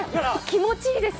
気持ちいいです。